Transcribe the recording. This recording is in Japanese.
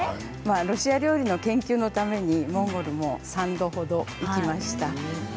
ロシア料理の研究のためにモンゴルも３度程いきました。